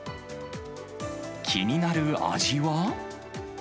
気になる味は？